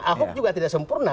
ahok juga tidak sempurna